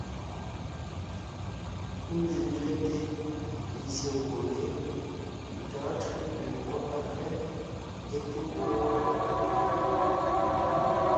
Ńne ńzẅɛte, nzsyè gwoon yé, ntɔ̌ɔn tÿǒ gẅie ngwɔ́ á pfɛ́ é te wó wɔ́,